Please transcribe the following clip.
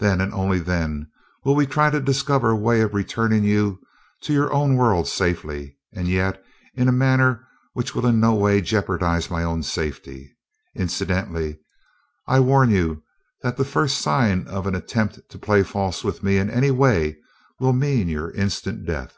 Then, and then only, will we try to discover a way of returning you to your own world safely, and yet in a manner which will in no way jeopardize my own safety. Incidentally, I warn you that the first sign of an attempt to play false with me in any way will mean your instant death."